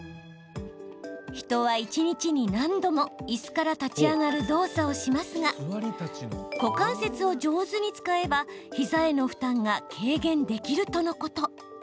人は一日に何度もいすから立ち上がる動作をしますが股関節を上手に使えば膝への負担が軽減できるとのこと。